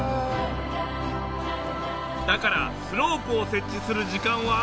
だからスロープを設置する時間は。